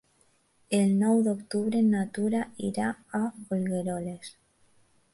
El nou d'octubre na Tura irà a Folgueroles.